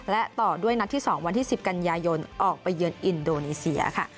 และต่อด้วยนัดที่๒วันที่๑๐กันยายนออกไปเยือนอินโดนีเซียค่ะ